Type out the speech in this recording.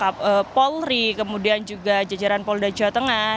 ataupun skema skema yang dilakukan oleh polri kemudian juga jajaran polda jawa tengah